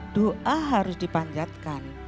doa harus dipanjatkan